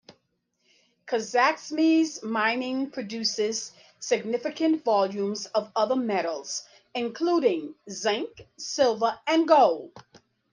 Kazakhmys Mining produces significant volumes of other metals, including zinc, silver and gold.